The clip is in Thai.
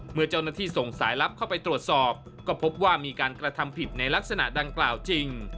เมื่อเจ้าหน้าที่ส่งสายลับเข้าไปตรวจสอบก็พบว่ามีการกระทำผิดในลักษณะดังกล่าวจริง